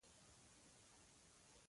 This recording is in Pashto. • شتمن سړی باید د بېوزلو لاسنیوی وکړي.